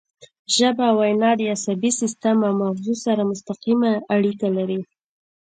ژبه او وینا د عصبي سیستم او مغزو سره مستقیمه اړیکه لري